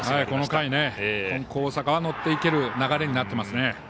この回、金光大阪は乗っていける流れになってますね。